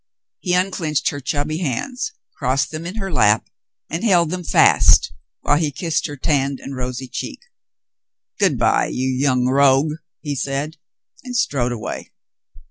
He unclinched her chubby hands, crossed them in her lap, and held them fast while he kissed her tanned and rosy cheek. "Good by, you young rogue," he said, and strode away.